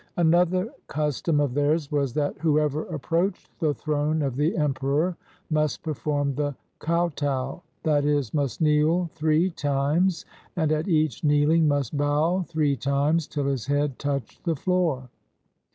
Another custom of theirs was that whoever approached the throne of the emperor must perform the kotow, that is, must kneel three times, and at each kneeling must bow three times till his head touched the floor.